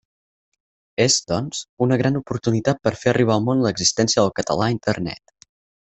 És, doncs, una gran oportunitat per a fer arribar al món l'existència del català a Internet.